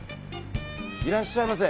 いらっしゃいませ。